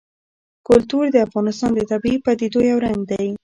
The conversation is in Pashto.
کلتور د افغانستان د طبیعي پدیدو یو رنګ دی.